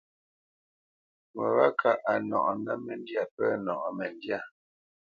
Ŋo wâ kâʼ a nɔʼnə́ məndyâ pə̂ nɔʼnə məndyâ.